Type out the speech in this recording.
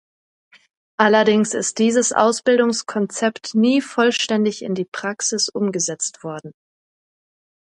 Allerdings ist dieses Ausbildungskonzept nie vollständig in die Praxis umgesetzt worden.